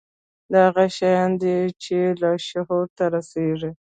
دا هغه شيان دي چې لاشعور ته رسېږي.